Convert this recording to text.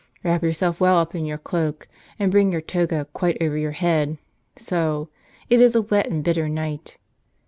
Wrap yourself well up in your cloak, and bring your toga quite over your head ; so ! It is a wet and bitter night.